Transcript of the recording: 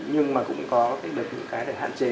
nhưng mà cũng có được những cái để hạn chế